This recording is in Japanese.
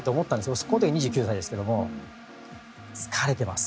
その時も２９歳ですけど疲れています。